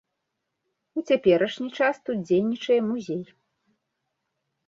У цяперашні час тут дзейнічае музей.